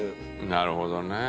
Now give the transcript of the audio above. なるほどね。